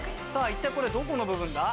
一体これはどこの部分だ？